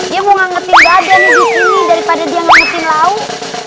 dia mau ngetin badan disini daripada dia ngetin lauk